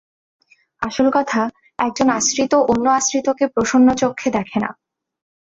আসল কথা, একজন আশ্রিত অন্য আশ্রিতকে প্রসন্নচক্ষে দেখে না।